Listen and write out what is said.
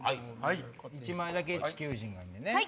１枚だけ地球人なんでね。